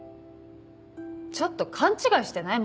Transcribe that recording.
ちょっと勘違いしてない？